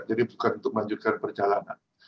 bukan untuk melanjutkan perjalanan